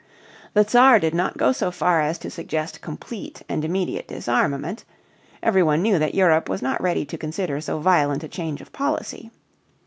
The Czar did not go so far as to suggest complete and immediate disarmament. Every one knew that Europe was not ready to consider so violent a change of policy.